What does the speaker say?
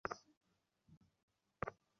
এটা তোমার জন্য ভালো না।